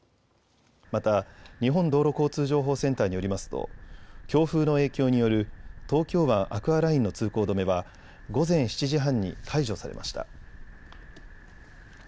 また、日本道路交通情報センターによりますと、強風の影響による東京湾アクアラインの通行止めは、午前７時半に解除されました。